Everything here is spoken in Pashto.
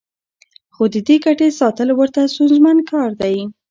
خو د دې ګټې ساتل ورته ستونزمن کار دی